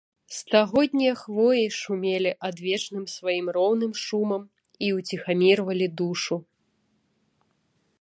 Стагоднія хвоі шумелі адвечным сваім роўным шумам і ўціхамірвалі душу.